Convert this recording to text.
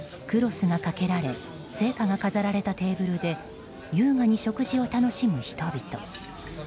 クロスがかけられ生花が飾られたテーブルで優雅に食事を楽しむ人々。